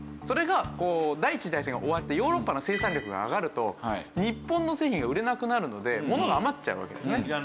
それがこう第一次大戦が終わってヨーロッパの生産力が上がると日本の製品が売れなくなるのでものが余っちゃうわけですね。